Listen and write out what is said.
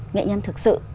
nghệ nhân thực sự